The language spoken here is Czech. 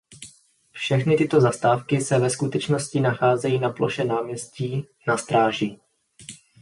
Všechny tyto zastávky se ve skutečnosti nacházejí na ploše náměstí Na Stráži.